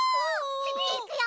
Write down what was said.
いくよ！